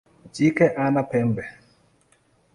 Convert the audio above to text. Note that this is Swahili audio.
Jike hana pembe.